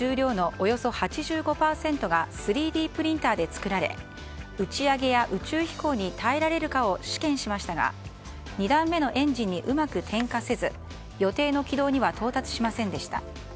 およそ８５％が３Ｄプリンターで作られ打ち上げや宇宙飛行に耐えられるかを試験しましたが２段目のエンジンにうまく点火せず予定の軌道には到達しませんでした。